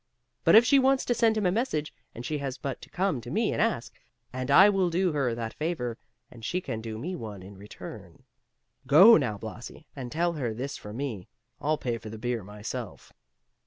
But if she wants to send him a message, she has but to come to me and ask, and I will do her that favor, and she can do me one in return. Go now, Blasi, and tell her this from me. I'll pay for the beer myself."